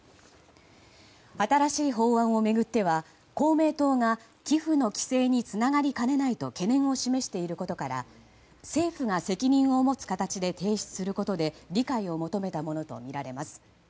新しい法案を巡っては、公明党が寄付の規制につながりかねないと懸念を示していることから政府が責任を持つ形で提出することで理解を求めたものと思われます。